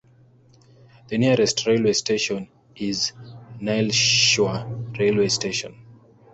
The nearest railway station is Nileshwar railway station.